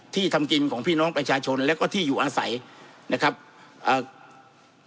ที่ทำกินของพี่น้องประชาชนแล้วก็ที่อยู่อาศัยนะครับอ่า